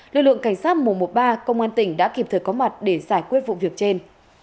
lực lượng cảnh sát mùa một mươi ba công an tỉnh đã kịp thời có mặt để giải quyết vụ việc trên